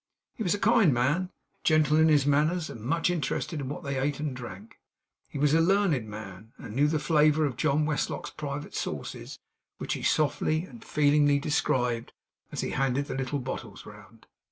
He was a kind man; gentle in his manners, and much interested in what they ate and drank. He was a learned man, and knew the flavour of John Westlock's private sauces, which he softly and feelingly described, as he handed the little bottles round.